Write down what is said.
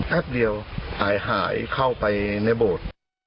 แป๊บเดียวหายเข้าไปในโบสถ์